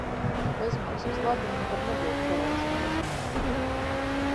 Bezmaksas labumi var nebūt pareizā izvēle.